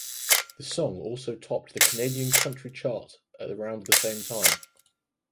The song also topped the Canadian country chart around the same time.